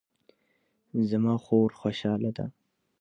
زما خور خوشحاله ده